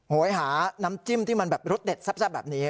โหยหาน้ำจิ้มที่มันแบบรสเด็ดแซ่บแบบนี้